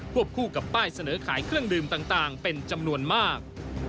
คู่กับป้ายเสนอขายเครื่องดื่มต่างเป็นจำนวนมาก